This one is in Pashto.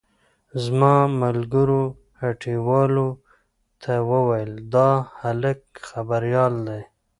زما ملګرو هټيوالو ته وويل دا هلک خبريال دی.